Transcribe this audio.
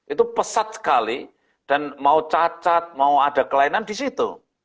itu pesat sekali dan mau cacat mau ada kelainan di situ